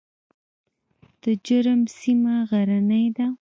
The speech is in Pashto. د جرم سیمه غرنۍ ده